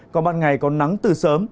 còn ban ngày còn nắng từ sớm